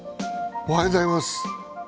おはようございます。